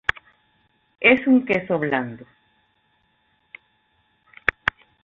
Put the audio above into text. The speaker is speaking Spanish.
Es un queso blando.